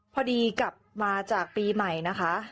พอดีกลับมาจากปีใหม่นะคะ